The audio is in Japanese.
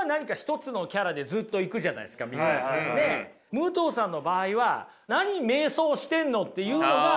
武藤さんの場合は何迷走してんの？っていうのが。